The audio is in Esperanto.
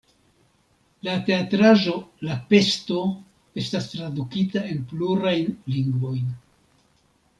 La teatraĵo "La Pesto" estas tradukita en plurajn lingvojn.